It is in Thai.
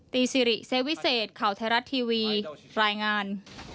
สิริเซวิเศษข่าวไทยรัฐทีวีรายงาน